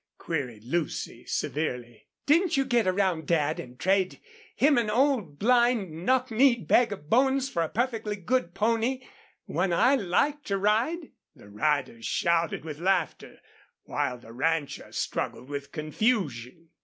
queried Lucy, severely. "Didn't you get around Dad and trade him an old, blind, knock kneed bag of bones for a perfectly good pony one I liked to ride?" The riders shouted with laughter while the rancher struggled with confusion.